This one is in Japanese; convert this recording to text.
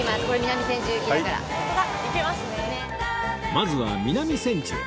まずは南千住へ